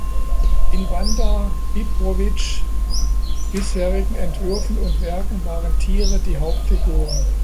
In Wanda Bibrowicz’ bisherigen Entwürfen und Werken waren Tiere die Hauptfiguren.